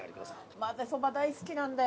まぜそば大好きなんだよ